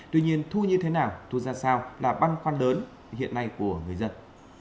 tuy nhiên thu như thế nào thu ra sao là băn khoăn lớn hiện nay của người dân